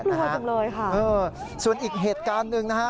กลัวจังเลยค่ะเออส่วนอีกเหตุการณ์หนึ่งนะฮะ